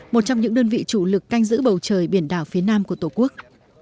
một trong những đơn vị chủ lực canh giữ bầu trời biển đảo phía nam của tổ quốc